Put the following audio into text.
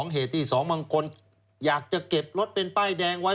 เหตุที่๒บางคนอยากจะเก็บรถเป็นป้ายแดงไว้